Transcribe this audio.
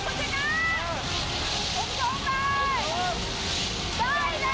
คุณส่งมา